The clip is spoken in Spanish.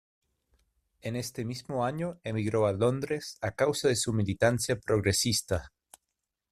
En ese mismo año emigró a Londres a causa de su militancia progresista.